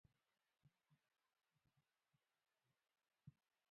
تودوخه د افغانستان د امنیت په اړه هم اغېز لري.